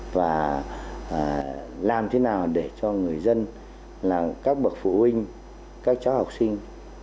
và làm thế nào để cho người dân là các bậc phụ huynh các cháu học sinh